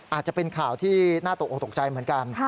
อาจจะเป็นข่าวที่น่าตกออกตกใจเหมือนกัน